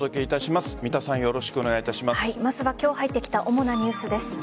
まずは今日入ってきた主なニュースです。